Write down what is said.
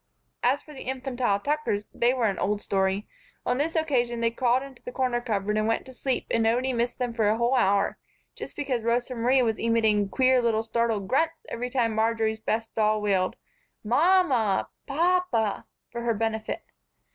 As for the infantile Tuckers, they were an old story. On this occasion they crawled into the corner cupboard and went to sleep and nobody missed them for a whole hour, just because Rosa Marie was emitting queer little startled grunts every time Marjory's best doll wailed "Mam mah!" "Pap pah!" for her benefit.